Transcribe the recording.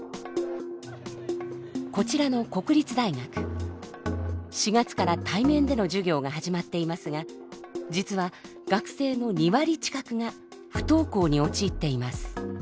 こちらの国立大学４月から対面での授業が始まっていますが実は学生の２割近くが不登校に陥っています。